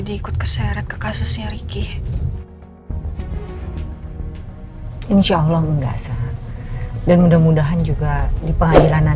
dua kopar besar udah masuk ke mobil ya